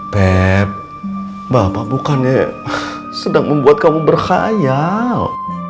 pep bapak bukannya sedang membuat kamu berkhayal